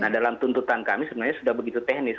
nah dalam tuntutan kami sebenarnya sudah begitu teknis